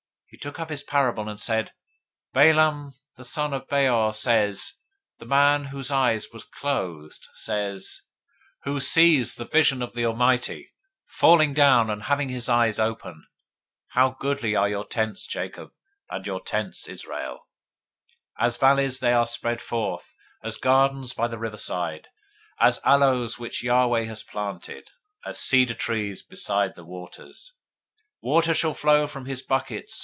024:003 He took up his parable, and said, Balaam the son of Beor says, the man whose eye was closed says; 024:004 he says, who hears the words of God, who sees the vision of the Almighty, falling down, and having his eyes open: 024:005 How goodly are your tents, Jacob, and your tents, Israel! 024:006 As valleys they are spread forth, as gardens by the riverside, as aloes which Yahweh has planted, as cedar trees beside the waters. 024:007 Water shall flow from his buckets.